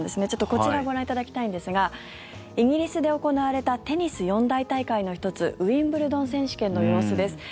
こちらをご覧いただきたいんですがイギリスで行われたテニス四大大会の１つウィンブルドン選手権の様子です。